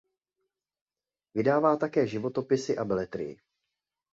Vydává také životopisy a beletrii.